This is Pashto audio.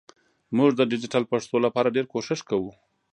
مونږ د ډیجېټل پښتو لپاره ډېر کوښښ کوو